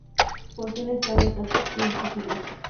Por fin estaba en casa, y en su siglo.